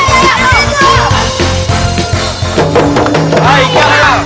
udah udah udah